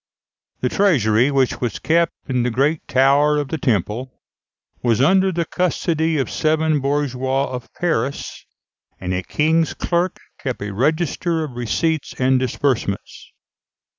The treasury, which was kept in the great tower of the temple (Fig. 262), was under the custody of seven bourgeois of Paris, and a king's clerk kept a register of receipts and disbursements.